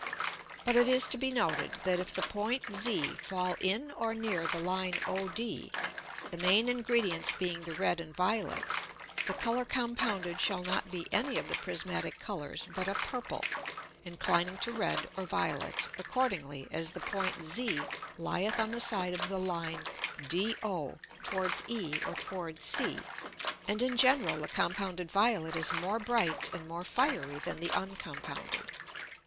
But it is to be noted, That if the point Z fall in or near the line OD, the main ingredients being the red and violet, the Colour compounded shall not be any of the prismatick Colours, but a purple, inclining to red or violet, accordingly as the point Z lieth on the side of the line DO towards E or towards C, and in general the compounded violet is more bright and more fiery than the uncompounded.